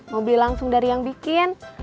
mau beli langsung dari yang bikin